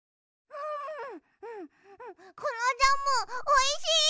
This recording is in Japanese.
うんうんこのジャムおいしい！